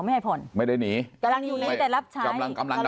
ไม่ขอโทษหนูจะฟ้องกลับค่ะ